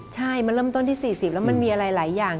ใช่มันเริ่มต้นที่๔๐แล้วมันมีอะไรหลายอย่าง